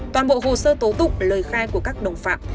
toàn bộ hồ sơ tố tụng lời khai của các đồng phạm